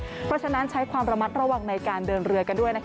เพราะฉะนั้นใช้ความระมัดระวังในการเดินเรือกันด้วย